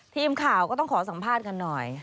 ทีมข่าวก็ต้องขอสัมภาษณ์กันหน่อย